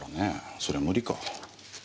それは無理か。